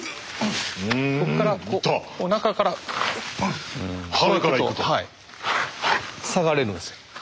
ここからおなかからこういくと下がれるんです。